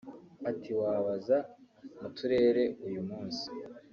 Ati “Wabaza mu Turere uyu munsi